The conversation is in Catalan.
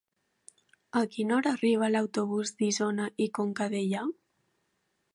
A quina hora arriba l'autobús d'Isona i Conca Dellà?